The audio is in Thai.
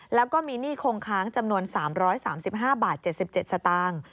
แล้วก็มีหนี้คงค้างจำนวน๓๓๕บาท๗๗สตางค์